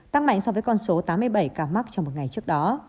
tăng mạnh so với con số tám mươi bảy ca mắc trong một ngày trước đó